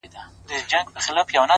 هر څه هېره كاندي;